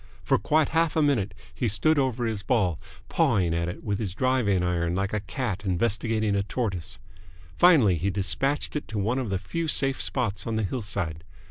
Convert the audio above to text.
For quite half a minute he stood over his ball, pawing at it with his driving iron like a cat investigating a tortoise. Finally he despatched it to one of the few safe spots on the hillside.